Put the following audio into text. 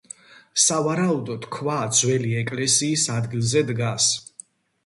სავარაუდოდ ქვა ძველი ეკლესიის ადგილზე დგას.